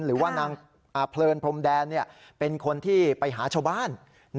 หรือว่านางเพลินพรมแดนเป็นคนที่ไปหาชาวบ้าน